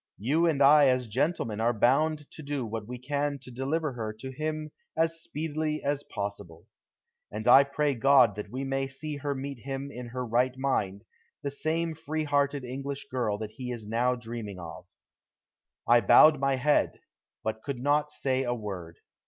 You and I as gentlemen are bound to do what we can to deliver her to him as speedily as possible. And I pray God that we may see her meet him in her right mind, the same free hearted English girl that he is now dreaming of." I bowed my head, but could not say a word.